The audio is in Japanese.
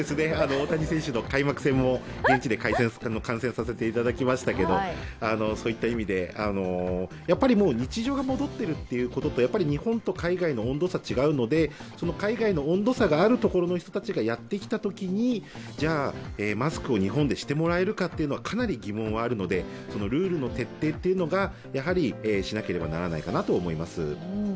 大谷選手の開幕戦も現地で観戦させてもらいましたがそういった意味で、やっぱりもう日常が戻っているということと日本と海外の温度差違うので、海外の温度差あるところの人たちがやってきたときに、じゃあマスクで日本でしてもらえるかはかなり疑問はあるのでルールの徹底をしなければならないかなと思います。